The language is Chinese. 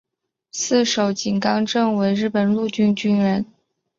四手井纲正为日本陆军军人。